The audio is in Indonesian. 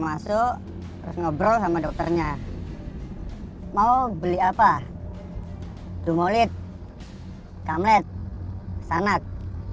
mau beli apa dumolit kamlet sanak